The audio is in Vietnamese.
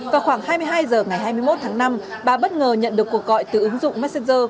vào khoảng hai mươi hai h ngày hai mươi một tháng năm bà bất ngờ nhận được cuộc gọi từ ứng dụng messenger